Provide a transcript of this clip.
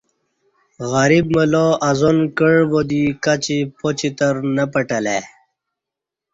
گریب ملا اذان کعبا دی کچی پاچترنہ پٹلہ ای